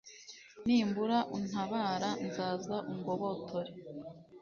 nimbura untabara, nzaza ungobotore